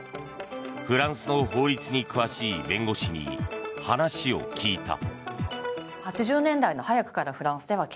フランスの法律に詳しい弁護士に話を聞いた。